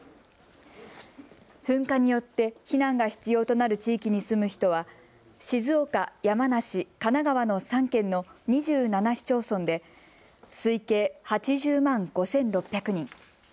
噴火によって避難が必要となる地域に住む人は静岡、山梨、神奈川の３県の２７市町村で推計８０万５６００人。